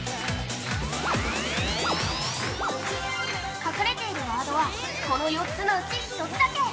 隠れているワードはこの４つのうち１つだけ。